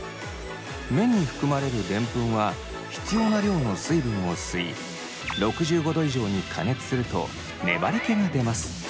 麺に含まれるデンプンは必要な量の水分を吸い６５度以上に加熱すると粘りけが出ます。